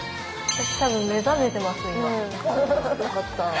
私多分目覚めてます今。